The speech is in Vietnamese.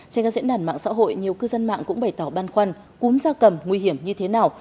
trên các diễn đàn mạng xã hội nhiều cư dân mạng cũng bày tỏ băn khoăn cúm gia cầm nguy hiểm như thế nào